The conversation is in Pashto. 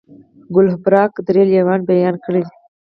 کوهلبرګ درې لیولونه بیان کړي دي.